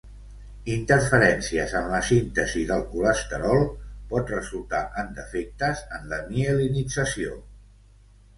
Interferències en la síntesi del colesterol pot resultar en defectes en la mielinització.